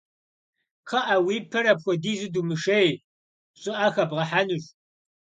Кхъыӏэ, уи пэр апхуэдизу думышей, щӏыӏэ хэбгъэхьэнущ.